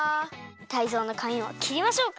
タイゾウのかみもきりましょうか？